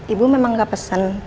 ibu memang gak pesen